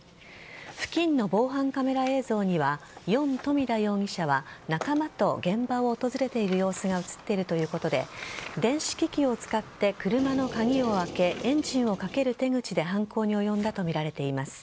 付近の防犯カメラ映像にはヨン・トミダ容疑者は仲間と現場を訪れている様子が映っているということで電子機器を使って車の鍵を開けてエンジンをかける手口で犯行に及んだとみられています。